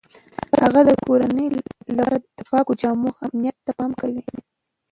هغې د کورنۍ لپاره د پاکو جامو اهمیت ته پام کوي.